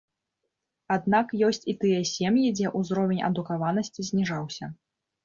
Аднак ёсць і тыя сем'і, дзе ўзровень адукаванасці зніжаўся.